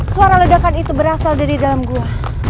suara ledakan itu berasal dari dalam gua